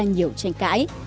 nhiều tranh cãi